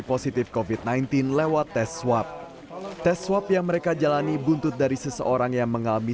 positif covid sembilan belas lewat tes swab tes swab yang mereka jalani buntut dari seseorang yang mengalami